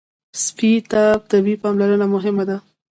سپي ته طبي پاملرنه مهمه ده.